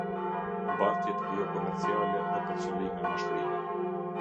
Bartjet jo-komerciale dhe për qëllime mashtrimi.